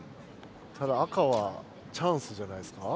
ただ赤はチャンスじゃないですか。